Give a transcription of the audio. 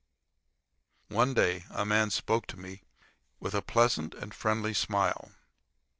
One day a man spoke to me, with a pleasant and friendly smile.